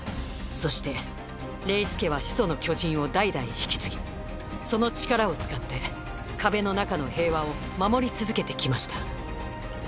そしてレイス家は「始祖の巨人」を代々引き継ぎその力を使って壁の中の平和を守り続けてきました。